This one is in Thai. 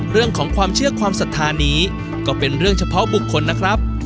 เรื่องของความเชื่อความศรัทธานี้ก็เป็นเรื่องเฉพาะบุคคลนะครับ